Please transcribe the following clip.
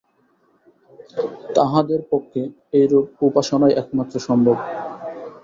তাঁহাদের পক্ষে এইরূপ উপাসনাই একমাত্র সম্ভব।